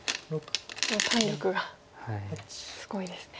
もう胆力がすごいですね。